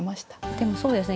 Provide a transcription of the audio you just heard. でもそうですね